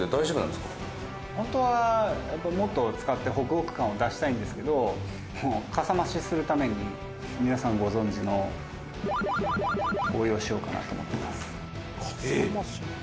「本当はもっと使ってホクホク感を出したいんですけどかさ増しするために皆さんご存じの応用しようかなと思ってます」